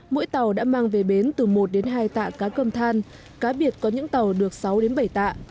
mỗi tàu đã mang về bến từ một đến hai tạ cá cơm than cá biệt có những tàu được sáu đến bảy tạ